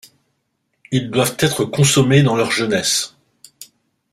Ils doivent être consommés dans leur jeunesse.